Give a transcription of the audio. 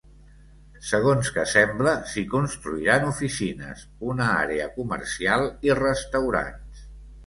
Segons que sembla, s’hi construiran oficines, una àrea comercial i restaurants.